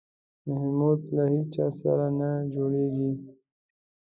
محمود له هېچا سره نه جوړېږي.